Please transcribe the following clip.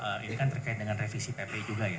ini kan terkait dengan revisi pp juga ya